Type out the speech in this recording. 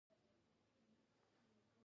د امریکا لویې وچې څخه رالېږدول شوي وو.